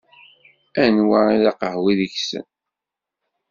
Anwa i d aqehwi deg-sen?